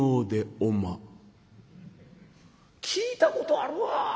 「聞いたことあるわ。